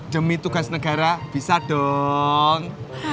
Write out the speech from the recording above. demi tugas negara bisa dong